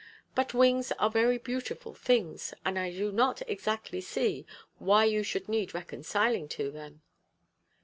But wings are very beautiful things, and I do not exactly see why you should need reconciling to them."